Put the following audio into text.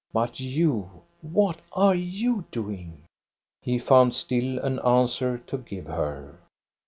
But you, what are you doing?" He found still an answer to give her.